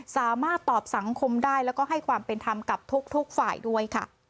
สามารถตอบสังคมได้แล้วก็ให้ความเป็นธรรมกับทุกฝ่ายด้วยค่ะ